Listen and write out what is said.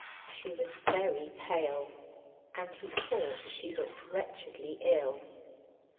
She was very pale, and he thought she looked wretchedJy ill.